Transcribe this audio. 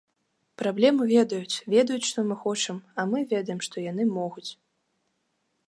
Праблему ведаюць, ведаюць, што мы хочам, а мы ведаем, што яны могуць.